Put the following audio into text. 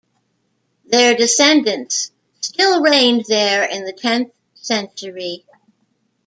Their descendants still reigned there in the tenth century.